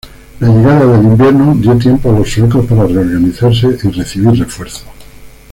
La llegada del invierno dio tiempo a los suecos para reorganizarse y recibir refuerzos.